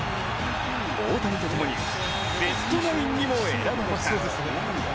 大谷とともに、ベストナインにも選ばれた。